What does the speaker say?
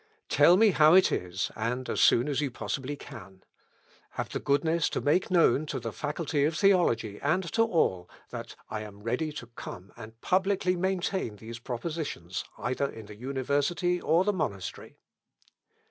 Tell me how it is, and as soon as you possibly can. Have the goodness to make known to the Faculty of Theology, and to all, that I am ready to come and publicly maintain these propositions either in the university or the monastery."